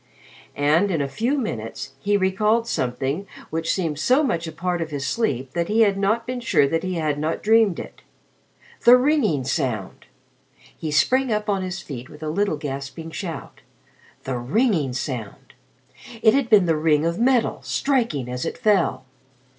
And in a few minutes, he recalled something which seemed so much a part of his sleep that he had not been sure that he had not dreamed it. The ringing sound! He sprang up on his feet with a little gasping shout. The ringing sound! It had been the ring of metal, striking as it fell.